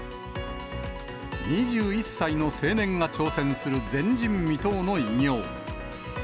２１歳の青年が挑戦する前人未到の偉業。